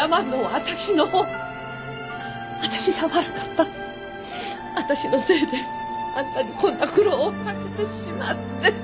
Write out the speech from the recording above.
私のせいであんたにこんな苦労を掛けてしまって。